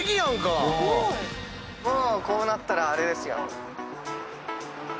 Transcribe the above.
こうなったらあれですよ。